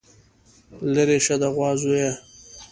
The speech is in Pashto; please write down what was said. ليرې شه د غوا زويه.